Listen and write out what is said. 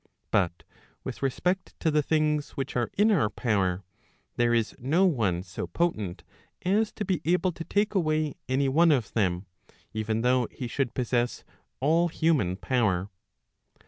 But with respect to the things which are in our power, there is no one so potent as to be able to take away any one of them, even though he should possess all human power.